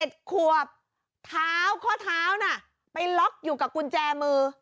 ขวบเท้าข้อเท้าน่ะไปล็อกอยู่กับกุญแจมือ